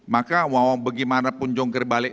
maka wawang bagaimanapun jongker balik